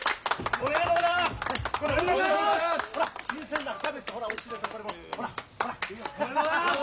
おめでとうございます！